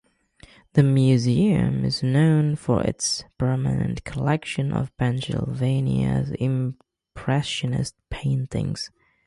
The museum is known for its permanent collection of Pennsylvania Impressionist paintings.